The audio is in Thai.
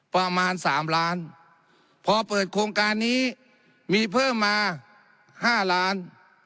ประมาณสามล้านพอเปิดโครงการนี้มีเพิ่มมา๕ล้าน